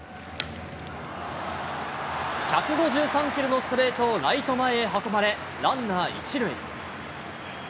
１５３キロのストレートをライト前へ運ばれ、ランナー１塁。